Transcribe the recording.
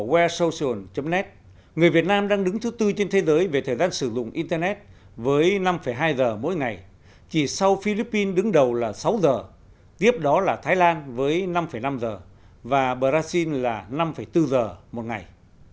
well socion net người việt nam đang đứng thứ tư trên thế giới về thời gian sử dụng internet với năm hai giờ mỗi ngày chỉ sau philippines đứng đầu là sáu giờ tiếp đó là thái lan với năm năm giờ và brazil là năm bốn giờ một ngày